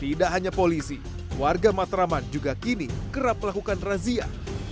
tidak hanya polisi warga matraman juga kini kerap melakukan razia